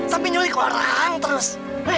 sampai nyulik orang terus